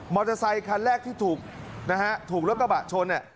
มอเตอร์ไซค์คันแรกที่ถูกรถกระบาดชน